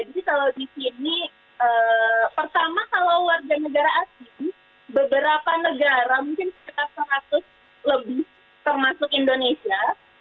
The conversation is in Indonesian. jadi kalau di sini pertama kalau warga negara asing beberapa negara mungkin sekitar seratus lebih termasuk indonesia